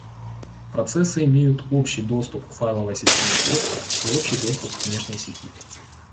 Процессы имеют общий доступ к файловой системе хоста и общий доступ к внешней сети